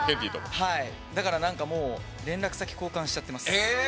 だから、連絡先、交換してます。